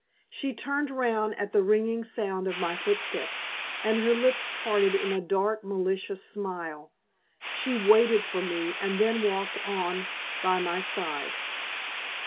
She turned round at the ringing sound of my footsteps, and her lips parted in a dark, malicious smile. She waited for me, and then walked on by my side.